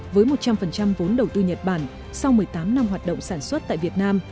với một trăm linh vốn đầu tư nhật bản sau một mươi tám năm hoạt động sản xuất tại việt nam